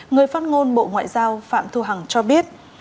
người phát ngôn bộ ngoại giao phạm thu hằng cho biết